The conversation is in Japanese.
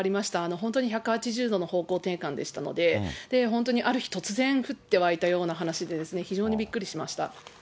本当に１８０度の方向転換でしたので、本当にある日突然、降って湧いたような話で、非常にびっくりしました。